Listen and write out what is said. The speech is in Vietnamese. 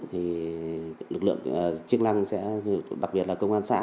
thì lực lượng chiếc lăng sẽ đặc biệt là công an xã